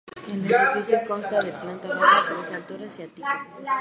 El edificio consta de planta baja, tres alturas y ático.